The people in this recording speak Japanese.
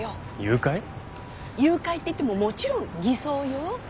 誘拐って言ってももちろん偽装よ。